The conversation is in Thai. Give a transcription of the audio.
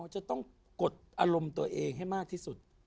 จะต้องกดอารมณ์ตัวเองให้มากที่สุด